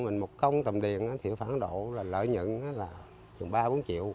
mình một công tầm điền thì khoảng độ lợi nhuận là ba bốn triệu